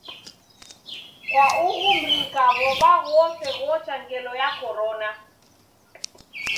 Kwa ughu mrika w'ow'a ghose ghocha ngelo ya Korona.